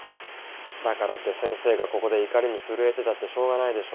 だからって先生がここで怒りに震えてたってしょうがないでしょ。